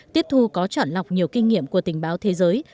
tiếp thu có chọn lọc nhiều kinh nghiệm của tình báo thế giới